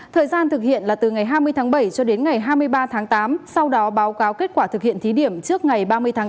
thời gian thực hiện là từ ngày hai mươi tháng bảy cho đến ngày hai mươi ba tháng tám sau đó báo cáo kết quả thực hiện thí điểm trước ngày ba mươi tháng tám